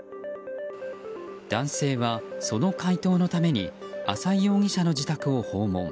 男性は、その回答のために浅井容疑者の自宅を訪問。